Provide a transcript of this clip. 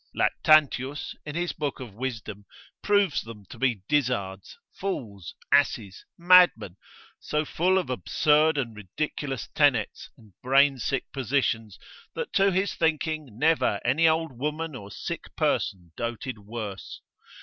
Lactantius, in his book of wisdom, proves them to be dizzards, fools, asses, madmen, so full of absurd and ridiculous tenets, and brain sick positions, that to his thinking never any old woman or sick person doted worse.